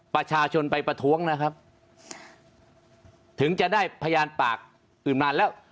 ประชาชนไปประท้วงนะครับถึงจะได้พยานปากอื่นมาแล้ว